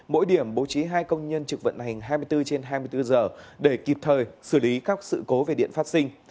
mỗi điểm bố trí hai công nhân trực vận hành hai mươi bốn trên hai mươi bốn giờ để kịp thời xử lý các sự cố về điện phát sinh